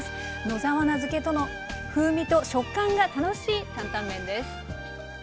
野沢菜漬けとの風味と食感が楽しい担々麺です。